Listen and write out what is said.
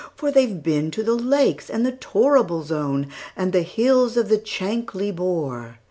For they've been to the Lakes, and the Torrible Zone, And the hills of the Chankly Bore."